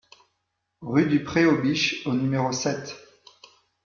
Rue du Pré aux Biches au numéro sept